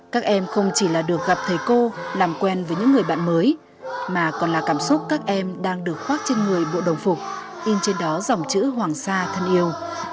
các em không chỉ là được gặp thầy cô làm quen với những người bạn mới mà còn là cảm xúc các em đang được khoác trên người bộ đồng phục in trên đó dòng chữ hoàng sa thân yêu